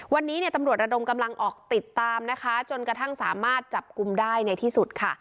วันนี้เนี่ยตำรวจระดมกำลังออกติดตามนะคะจนกระทั่งสามารถจับกลุ่มได้ในที่สุดค่ะ